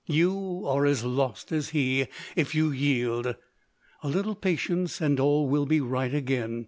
You are as lost as he, if you yield. A little patience, and all will be right again.